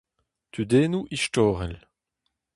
Tudennoù istorel.